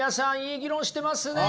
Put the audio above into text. いい議論してますね。